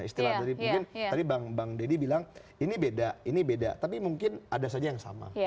istilah dari mungkin tadi bang deddy bilang ini beda ini beda tapi mungkin ada saja yang sama